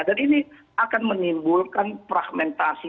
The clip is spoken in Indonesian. dan ini akan menimbulkan fragmentasi